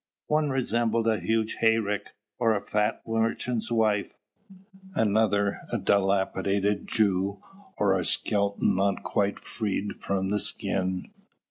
One resembled a huge hayrick or a fat merchant's wife; another a dilapidated Jew or a skeleton not quite freed from the skin.